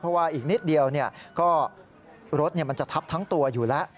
เพราะว่าอีกนิดเดียวก็รถมันจะทับทั้งตัวอยู่แล้ว